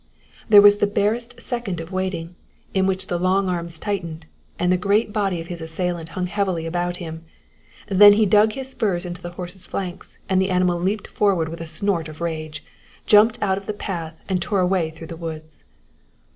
There was the barest second of waiting, in which the long arms tightened, and the great body of his assailant hung heavily about him; then he dug spurs into the horse's flanks and the animal leaped forward with a snort of rage, jumped out of the path and tore away through the woods.